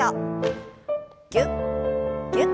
ぎゅっぎゅっ。